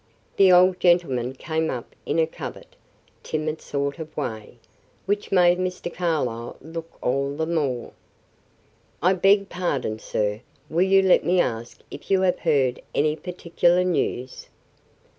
The old gentleman came up in a covert, timid sort of way, which made Mr. Carlyle look all the more. "I beg pardon, sir; will you let me ask if you have heard any particular news?"